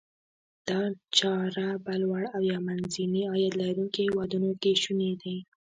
دا چاره په لوړ او یا منځني عاید لرونکو هیوادونو کې شوني ده.